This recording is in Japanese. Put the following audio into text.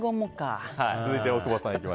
続いて、大久保さん。